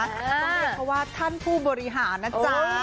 ต้องเรียกเขาว่าท่านผู้บริหารนะจ๊ะ